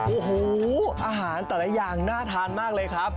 โอ้โหอาหารแต่ละอย่างน่าทานมากเลยครับ